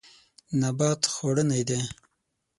نبات خوړنی دی.